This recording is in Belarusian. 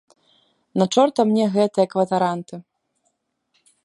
На чорта мне гэтыя кватаранты?